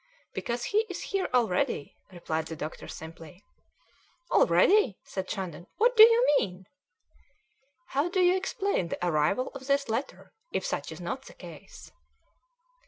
"Because he is here already," replied the doctor simply. "Already!" said Shandon. "What do you mean?" "How do you explain the arrival of this letter if such is not the case?"